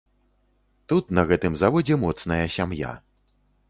Тут на гэтым заводзе моцная сям'я.